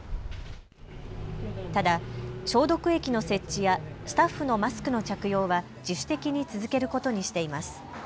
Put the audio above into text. ただ消毒液の設置やスタッフのマスクの着用は自主的に続けることにしています。